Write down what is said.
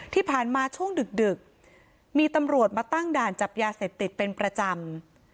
ที่ผ่านมาช่วงดึกมีตำรวจมาตั้งด่านจับยาเสพติดเป็นประจำ